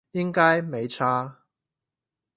應該沒差